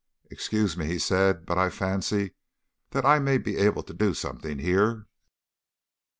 "Excuse me," he said, "but I fancy that I may be able to do something here.